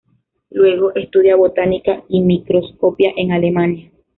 Luego estudia botánica y microscopía en Alemania.